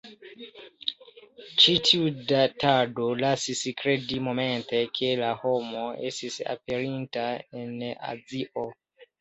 Ĉi tiu datado lasis kredi momente, ke la homo estis aperinta en Azio.